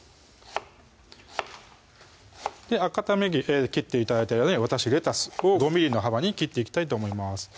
赤玉ねぎ切って頂いてる間に私レタスを５ｍｍの幅に切っていきたいと思います